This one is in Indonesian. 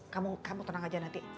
kamu tenang aja nanti